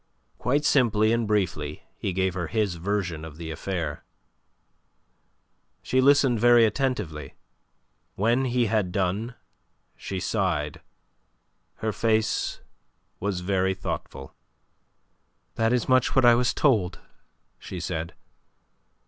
Quite simply and briefly he gave her his version of the affair. She listened very attentively. When he had done she sighed; her face was very thoughtful. "That is much what I was told," she said.